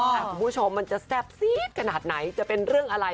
คุณผู้ชมมันจะแซ่บซีดขนาดไหนจะเป็นเรื่องอะไร